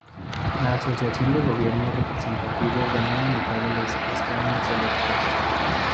La Asociación de Gobierno Representativo ganó la mitad de los escaños electos.